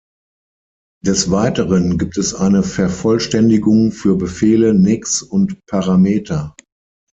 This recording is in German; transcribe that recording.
Des Weiteren gibt es eine Vervollständigung für Befehle, Nicks und Parameter.